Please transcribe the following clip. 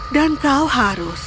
dan kau harus